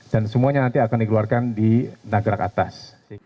dan semuanya nanti akan dikeluarkan di nagrak atas